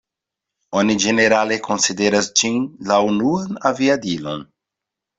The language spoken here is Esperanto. Oni ĝenerale konsideras ĝin la unuan aviadilon.